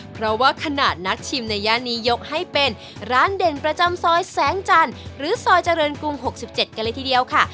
เพราะว่าขนาดนักชิมในย่านนี้ยกให้เป็นร้านเด่นประจำซอยแสงจันทร์หรือซอยเจริญกรุง๖๗กันเลยทีเดียวค่ะ